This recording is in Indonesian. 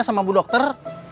namanya sama bu dokter